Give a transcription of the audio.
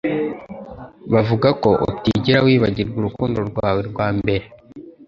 Bavuga ko utigera wibagirwa urukundo rwawe rwa mbere.